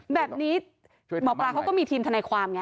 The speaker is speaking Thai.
แบบนี้หมอปลาเขาก็มีทีมทนายความไง